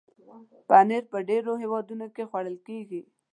پنېر په ډېرو هېوادونو کې خوړل کېږي.